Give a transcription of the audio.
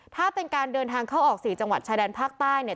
ถ้าเป็นการเดินทางเข้าออก๔จังหวัดชายแดนภาคใต้เนี่ย